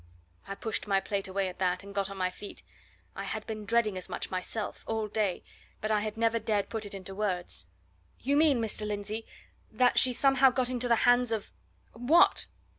I pushed my plate away at that, and got on my feet. I had been dreading as much myself, all day, but I had never dared put it into words. "You mean, Mr. Lindsey, that she's somehow got into the hands of what?